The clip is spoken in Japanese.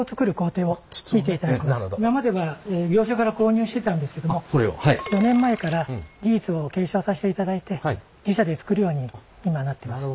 今までは業者から購入してたんですけども４年前から技術を継承させていただいて自社で作るように今なってます。